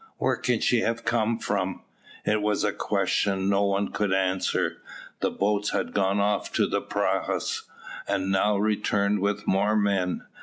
Where can she have come from?" It was a question no one could answer. The boats had gone off to the prahus, and now returned with more men.